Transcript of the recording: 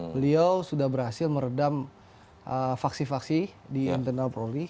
beliau sudah berhasil meredam faksi faksi di internal polri